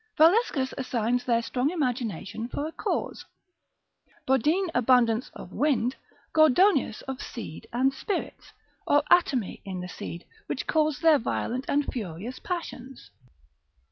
Valescus assigns their strong imagination for a cause, Bodine abundance of wind, Gordonius of seed, and spirits, or atomi in the seed, which cause their violent and furious passions.